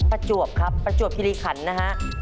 ประจวบครับประจวบคิริขันนะฮะ